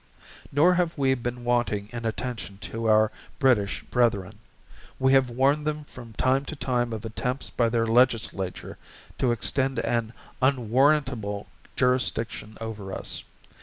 Nor have We been wanting in attention to our Brittish brethren. We have warned them from time to time of attempts by their legislature to extend an unwarrantable jurisdiction over us.